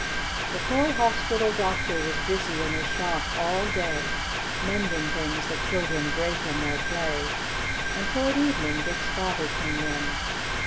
The toy hospital doctor was busy in his shop all day, mending things that children break in their play, and toward evening Dick's father came in.